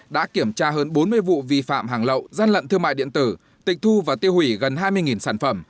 đã kiểm tra hơn bốn mươi vụ vi phạm hàng lậu gian lận thương mại điện tử tịch thu và tiêu hủy gần hai mươi sản phẩm